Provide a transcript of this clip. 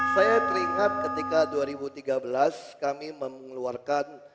saya teringat ketika dua ribu tiga belas kami mengeluarkan